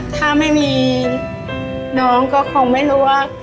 ถ้าไม่มีน้องก็คงไม่รู้ว่า